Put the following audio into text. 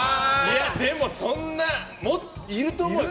でも、そんないると思うよ？